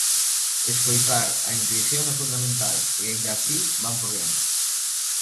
Escoitar á intuición é fundamental e aínda así van por diante!